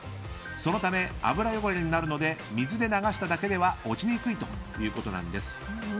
そのため、油汚れになるので水で流しただけでは落ちにくいということです。